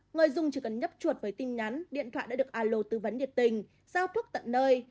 người dùng chỉ cần nhấp chuột với tin nhắn điện thoại đã được alo tư vấn nhiệt tình giao thuốc tận nơi